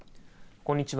こんにちは。